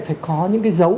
phải có những cái dấu